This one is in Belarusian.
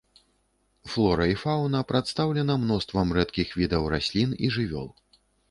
Флора і фаўна прадстаўлена мноствам рэдкіх відаў раслін і жывёл.